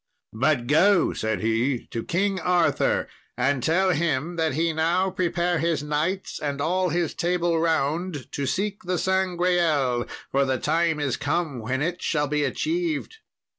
'But go,' said he, 'to King Arthur, and tell him, that he now prepare his knights and all his Table Round to seek the Sangreal, for the time is come when it shall be achieved.'"